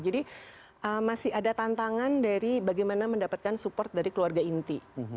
jadi masih ada tantangan dari bagaimana mendapatkan support dari keluarga inti